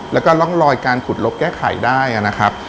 แล้วก็ร่องรอยการขุดลบแก้ไขได้นะครับ